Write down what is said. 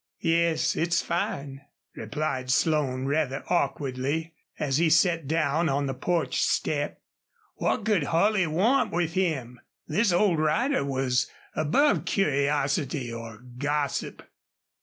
"Yes, it's fine," replied Slone, rather awkwardly, as he sat down on the porch step. What could Holley want with him? This old rider was above curiosity or gossip.